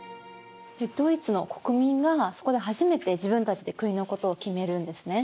ドイツの国民がそこで初めて自分たちで国のことを決めるんですね。